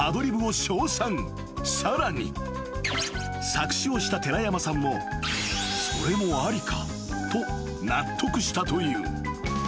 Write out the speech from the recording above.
［作詞をした寺山さんもそれもありかと納得したという］